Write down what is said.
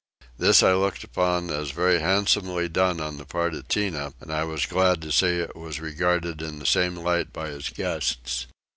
This I looked upon as very handsomely done on the part of Tinah, and I was glad to see that it was regarded in the same light by his guests.